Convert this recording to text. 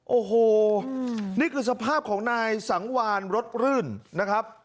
โอ้โหนี่คือสภาพของนายสังวานรถรื่นนะครับ